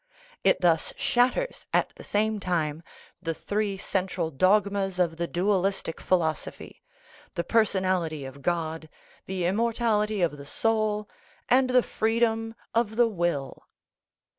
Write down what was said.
It thus shatters, at the same time, the three central dogmas of the dualistic philosophy the personality of God, the immortality of the soul, and the freedom of the will.